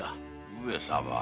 上様。